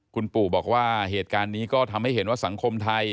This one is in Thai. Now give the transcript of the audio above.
คุณปู่บอกว่าเหตุการณ์นี้ก็ทำให้เห็นว่าสังคมไทย